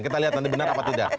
kita lihat nanti benar apa tidak